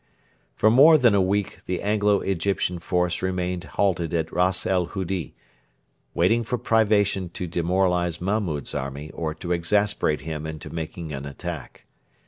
For more than a week the Anglo Egyptian force remained halted at Ras el Hudi, waiting for privation to demoralise Mahmud's army or to exasperate him into making an attack.